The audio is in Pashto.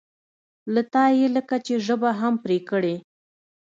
له تا یې لکه چې ژبه هم پرې کړې.